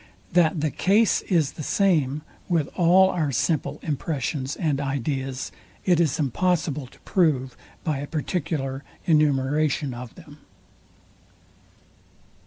That the case is the same with all our simple impressions and ideas, it is impossible to prove by a particular enumeration of them.